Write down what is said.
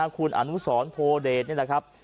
คุณอนุสรโพเดชนี่แหละครับ